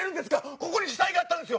ここに死体があったんですよ！